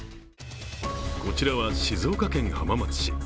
こちらは、静岡県浜松市。